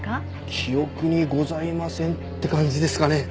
「記憶にございません」って感じですかね。